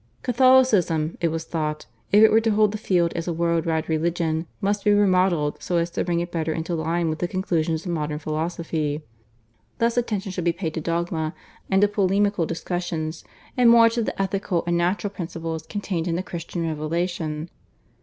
Catholicism, it was thought, if it were to hold the field as a world wide religion, must be remodelled so as to bring it better into line with the conclusions of modern philosophy. Less attention should be paid to dogma and to polemical discussions, and more to the ethical and natural principles contained in the Christian revelation.